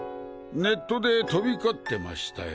ネットで飛び交ってましたよ